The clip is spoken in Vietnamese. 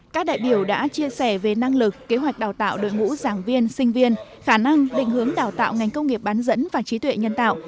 các đại biểu đã chia sẻ về năng lực kế hoạch đào tạo đội ngũ giảng viên sinh viên khả năng định hướng đào tạo ngành công nghiệp bán dẫn và trí tuệ nhân tạo